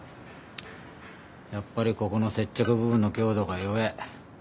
やっぱりここの接着部分の強度が弱ぇ。